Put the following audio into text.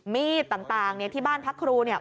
มีดต่างเนี่ยที่บ้านพักครูเนี่ย